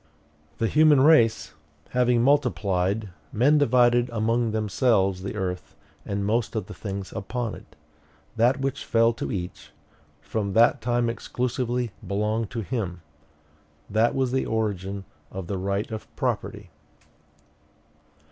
"The human race having multiplied, men divided among themselves the earth and most of the things upon it; that which fell to each, from that time exclusively belonged to him. That was the origin of the right of property."